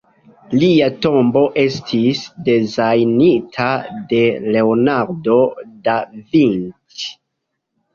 Lia tombo estis dezajnita de Leonardo da Vinci.